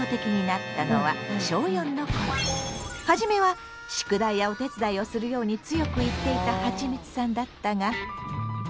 はじめは宿題やお手伝いをするように強く言っていたはちみつさんだったが。